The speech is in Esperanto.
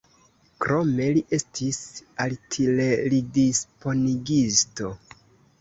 Krome li estis artileridisponigisto.